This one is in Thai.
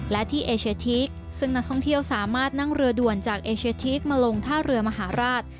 และที่เอเชียทีกซึ่งนักท่องเที่ยวสามารถนั่งเรือด่วนจากเอเชียทีกมาลงท่าเรือมหาราช